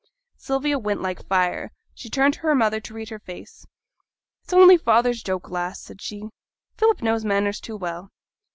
Sylvia went like fire; she turned to her mother to read her face. 'It's only father's joke, lass,' said she. 'Philip knows manners too well.'